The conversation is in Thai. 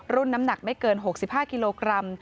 น้ำหนักไม่เกิน๖๕กิโลกรัม